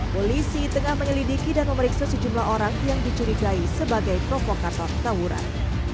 polisi tengah menyelidiki dan memeriksa sejumlah orang yang dicurigai sebagai provokator tawuran